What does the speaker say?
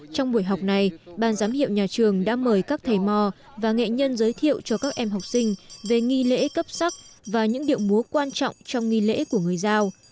trong buổi học này ban giám hiệu nhà trường đã mời các thầy mò và nghệ nhân giới thiệu cho các em học sinh về nghi lễ cấp sắc và những điệu múa quan trọng trong nghi lễ của người giao